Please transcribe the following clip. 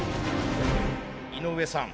井上さん